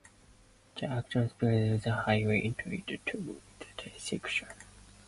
This action separated the highway into its two present-day sections.